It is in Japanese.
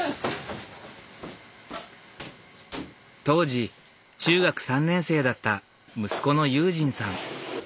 当時中学３年生だった息子の悠仁さん。